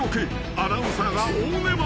アナウンサーが大寝坊］